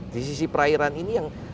di sisi perairan ini yang